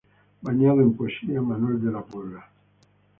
Bañado en poesía Manuel de la Puebla.